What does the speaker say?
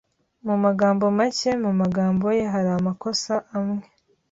Mu magambo make, mu magambo ye hari amakosa amwe.